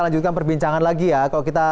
lanjutkan perbincangan lagi ya kalau kita